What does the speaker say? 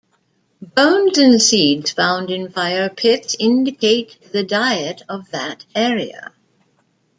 Bones and seeds found in fire pits indicate the diet of that area.